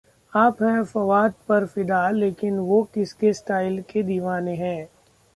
आप हैं फवाद पर फिदा लेकिन वो किसके स्टाइल के दीवाने हैं...